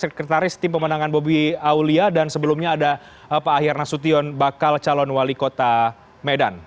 sekretaris tim pemenangan bobi aulia dan sebelumnya ada pak ahyar nasution bakal calon wali kota medan